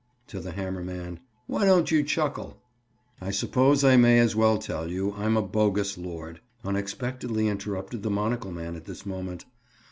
To the hammer man. "Why don't you chuckle?" "I suppose I may as well tell you I'm a bogus lord," unexpectedly interrupted the monocle man at this moment.